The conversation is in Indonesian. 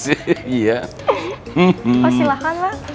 oh silahkan mbak